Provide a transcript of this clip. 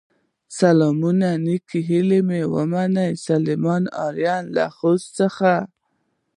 سلامونه او نیکې هیلې مې ومنئ، سليمان آرین له خوست څخه